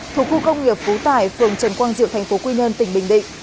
thuộc khu công nghiệp phú tài phường trần quang diệu tp quy nhơn tỉnh bình định